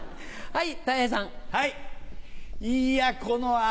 はい。